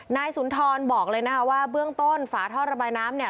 นายสุนทรบอกเลยนะคะว่าเบื้องต้นฝาท่อระบายน้ำเนี่ย